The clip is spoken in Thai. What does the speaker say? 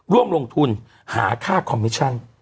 ร่วมลงทุนหาค่าคอมมิชชั่น